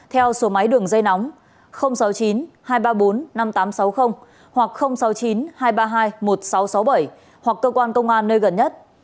theo số máy đường dây nóng sáu mươi chín hai trăm ba mươi bốn năm nghìn tám trăm sáu mươi hoặc sáu mươi chín hai trăm ba mươi hai một nghìn sáu trăm sáu mươi bảy hoặc cơ quan công an nơi gần nhất